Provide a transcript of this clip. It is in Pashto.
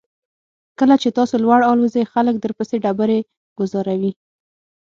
کله چې تاسو لوړ الوځئ خلک درپسې ډبرې ګوزاروي.